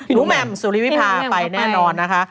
แม่มสุริวิพาไปแน่นอนนะคะ